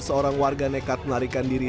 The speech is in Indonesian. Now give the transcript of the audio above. seorang warga nekat melarikan diri